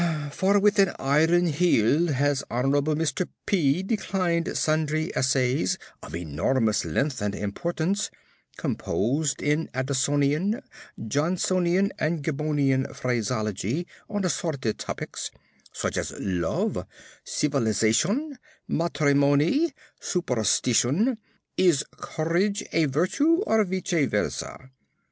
For with an iron heel has Hon'ble Mr P. declined sundry essays of enormous length and importance, composed in Addisonian, Johnsonian, and Gibbonian phraseology on assorted topics, such as "Love," "Civilisation," "Matrimony," "Superstition," "Is Courage a Virtue, or Vice Versâ?"